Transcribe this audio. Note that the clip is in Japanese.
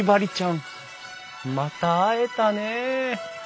また会えたねえ。